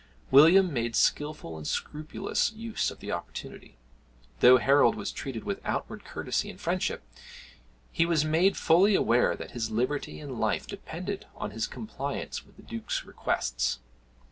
William made skilful and unscrupulous use of the opportunity. Though Harold was treated with outward courtesy and friendship, he was made fully aware that his liberty and life depended on his compliance with the Duke's requests.